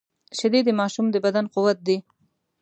شیدې د ماشوم د بدن قوت دي